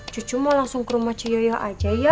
cucu mau langsung ke rumah cuyoyo aja ya